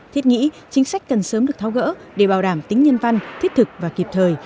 thiết nghĩ chính sách cần sớm được tháo gỡ để bảo đảm tính nhân văn thiết thực và kịp thời